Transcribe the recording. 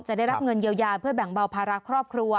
จะได้รับเงินเยียวยาเพื่อแบ่งเบาภาระครอบครัว